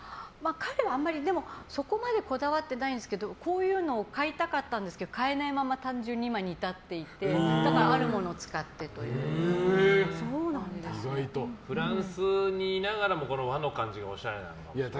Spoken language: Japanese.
彼はあんまり、そこまでこだわってないんですけどこういうのを買いたかったんですけど買えないまま単純に今に至っていてフランスにいながらも和の感じがおしゃれなのかもしれない。